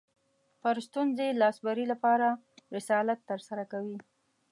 پر ستونزې لاسبري لپاره رسالت ترسره کوي